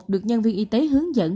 được nhân viên y tế hướng dẫn